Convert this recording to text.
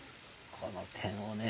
この点をね